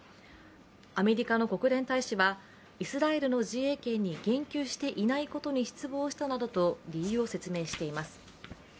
アメリカの国連大使は、イスラエルの自衛権に言及していないことに失望したなどと理由を説明しています。